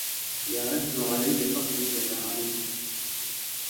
يعز علي فقدك يا علي